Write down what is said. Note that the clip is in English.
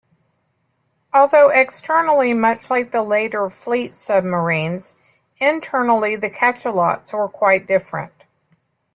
Although externally much like the later "fleet submarines," internally the "Cachalot"s were quite different.